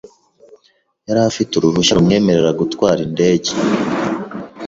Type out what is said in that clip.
yari afite uruhushya rumwemerera gutwara indege.